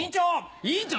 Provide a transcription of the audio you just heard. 委員長！